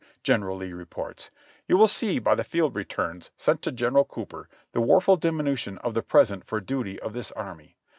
General Lee reports : "You will see by the field returns sent to General Cooper the woeful diminution of the present for duty of this army.